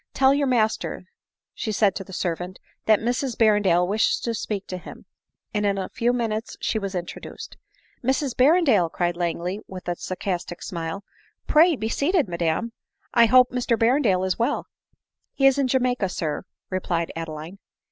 " Tell your master, said she to the servant, " that Mrs Berrendale wishes to speak to him !" and in a few minutes she was introduced. " Mrs Berrendale !" cried Langley with a sarcastic smile ;" pray be seated, madam ! I hope Mr Berrendale is well." " He is in Jamaica, sir," replied Adeline.